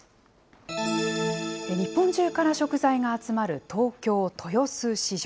日本中から食材が集まる東京・豊洲市場。